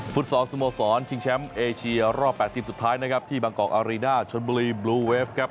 ฟุตสอนสมสรรชิงแชมป์เอเชียรอบ๘ทีมสุดท้ายที่บางกอล์กอรีน่าชนบุรีบลูเวฟ